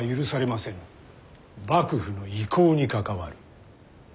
幕府の威光に関わる。